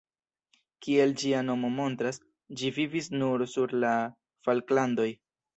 Kiel ĝia nomo montras, ĝi vivis nur sur la Falklandoj.